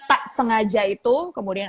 tak sengaja itu kemudian